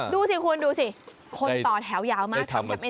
ดูสิคุณดูสิคนต่อแถวยาวมากทำแค่ไม่ทัน